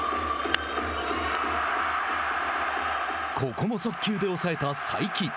ここも速球で抑えた才木。